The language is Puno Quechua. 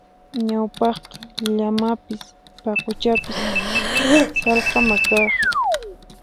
Ñawpaqqa llamapis paquchapis sallqakama kaq.